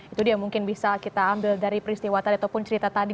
itu dia mungkin bisa kita ambil dari peristiwa tadi ataupun cerita tadi